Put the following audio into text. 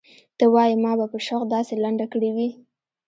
ته وايې ما به په شوق داسې لنډه کړې وي.